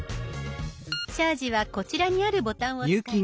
チャージはこちらにあるボタンを使います。